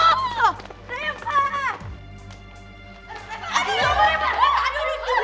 aduh aduh aduh